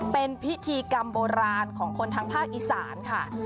เป็นพิธีกรรมโบราณของคนทางภาคอีสานค่ะ